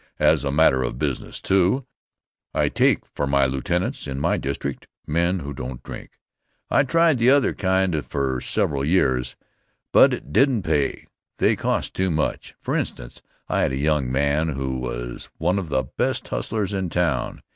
As a matter of business, too, I take for my lieutenants in my district men who don't drink. I tried the other kind for several years, but it didn't pay. They cost too much. For instance, I had a young man who was one of the best hustlers in town.